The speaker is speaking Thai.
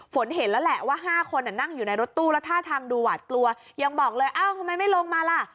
เห็นแล้วแหละว่า๕คนนั่งอยู่ในรถตู้แล้วท่าทางดูหวาดกลัวยังบอกเลยเอ้าทำไมไม่ลงมาล่ะ